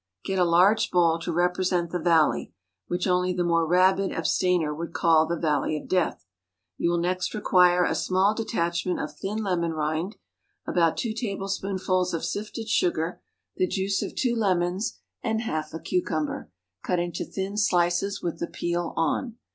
Get a large bowl, to represent the Valley which only the more rabid abstainer would call the "Valley of Death." You will next require a small detachment of thin lemon rind, about two tablespoonfuls of sifted sugar, the juice of two lemons, and half a cucumber, cut into thin slices, with the peel on.